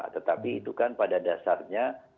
tetapi itu kan pada dasarnya